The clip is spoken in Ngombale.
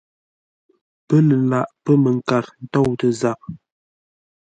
Pə́ lə laghʼ pə̂ mənkar ntôutə zap.